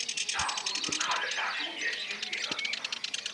劳合社。